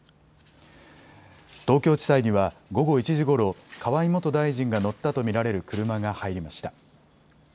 東京地裁には午後１時ごろ、河井元大臣が乗ったと見られる車が入りました。